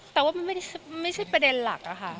แต่ว่ามันไม่ใช่ประเด็นหลักอะค่ะ